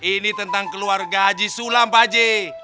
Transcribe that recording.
ini tentang keluarga haji sulam pak haji